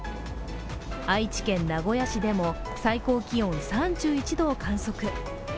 愛知県名古屋市でも最高気温３１度を観測。